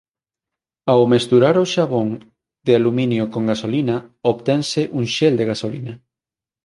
Ao mesturar o xabón de aluminio con gasolina obtense un xel de gasolina.